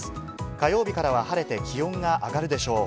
火曜日からは晴れて、気温が上がるでしょう。